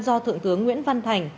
do thượng tướng nguyễn văn thành